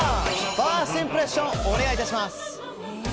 ファーストインプレッションお願いいたします。